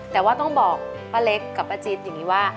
แต่ว่าต้องบอกป้าเล็กกับป้าจิ๊ดอย่างนี้ว่า